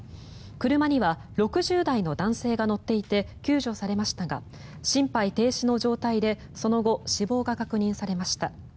車には６０代の男性が乗っていて救助されましたが心肺停止の状態でその後、死亡が確認されました。